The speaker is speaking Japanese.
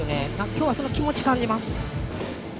今日はその気持ち感じます。